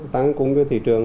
tăng cúng cho thị trường